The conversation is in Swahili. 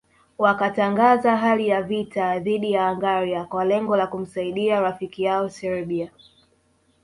Wakatangaza hali ya vita dhidi ya Hungaria kwa lengo la kumsaidia rafiki yao Serbia